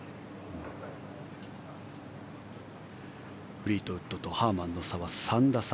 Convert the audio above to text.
フリートウッドとハーマンの差は３打差。